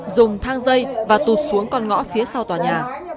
dùng thang dây và tụt xuống con ngõ phía sau tòa nhà